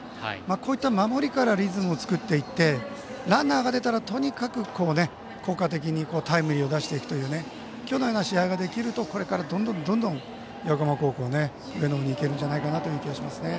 こうした守りからリズムを作りランナーが出たらとにかく効果的にタイムリーを出していくという今日のような試合ができるとこれからどんどん横浜高校は上のほうに行けるんじゃないかと思いますね。